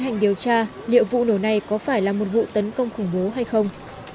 hành điều tra liệu vụ nổ này có phải là một vụ tấn công khủng bố hay không